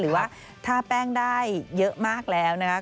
หรือว่าถ้าแป้งได้เยอะมากแล้วนะคะ